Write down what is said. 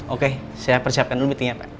oke saya persiapkan dulu meetingnya pak